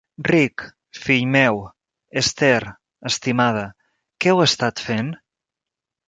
Rick, fill meu, Esther, estimada, què heu estat fent?